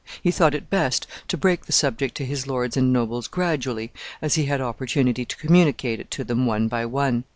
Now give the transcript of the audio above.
He thought it best to break the subject to his lords and nobles gradually, as he had opportunity to communicate it to them one by one.